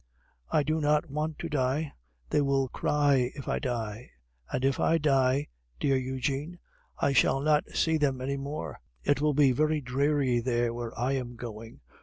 I do not want to die; they will cry if I die; and if I die, dear Eugene, I shall not see them any more. It will be very dreary there where I am going.